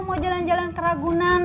mau jalan jalan ke ragunan